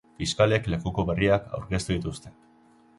Fiskalek lekuko berriak aurkeztu dituzte.